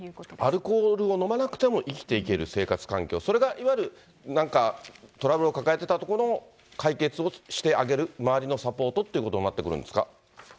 アルコールを飲まなくても生きていける生活環境、それがいわゆる、なんかトラブルを抱えてたところの解決をしてあげる、周りのサポートということになってくるんですか。